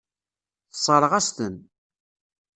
Tessṛeɣ-as-ten.